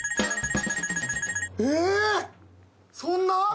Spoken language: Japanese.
そんな？